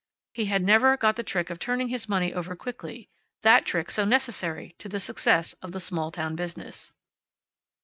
He had never got the trick of turning his money over quickly that trick so necessary to the success of the small town business.